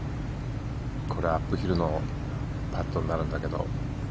これ、アップヒルのパットになるんだけど。